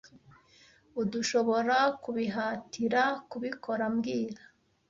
Urdushoborakubihatira kubikora mbwira